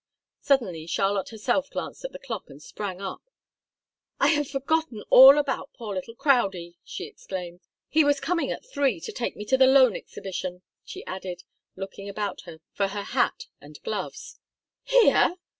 Suddenly Charlotte herself glanced at the clock and sprang up. "I had forgotten all about poor little Crowdie!" she exclaimed. "He was coming at three to take me to the Loan Exhibition," she added, looking about her for her hat and gloves. "Here?"